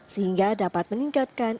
sehingga dapat meningkatkan ekonomi